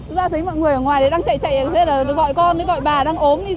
rồi ra thấy mọi người ở ngoài đang chạy chạy thế là gọi con gọi bà